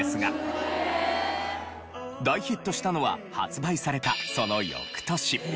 大ヒットしたのは発売されたその翌年。